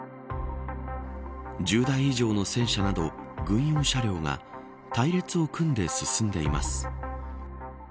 １０台以上の戦車など軍用車両が隊列を組んで進んでいます。